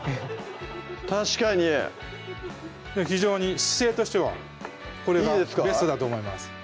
確かに非常に姿勢としてはこれがベストだと思います